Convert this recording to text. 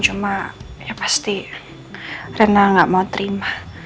cuma ya pasti rena gak mau terima